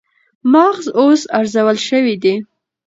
مغز اوس ارزول شوی دی